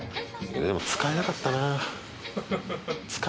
使えなかったな。